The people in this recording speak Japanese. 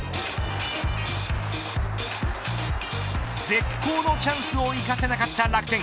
絶好のチャンスを生かせなかった楽天。